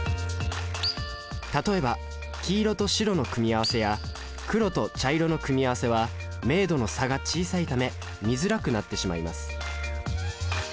例えば黄色と白の組み合わせや黒と茶色の組み合わせは明度の差が小さいため見づらくなってしまいます